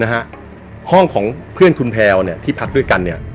ห้องของเพื่อนคุณแพลวเนี่ยที่พักด้วยกันเนี่ย